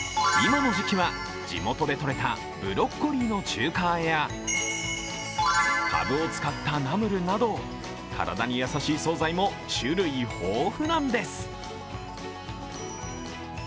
今の時期は地元でとれたブロッコリーの中華和えやかぶを使ったナムルなど体に優しい総菜も種類豊富なんです。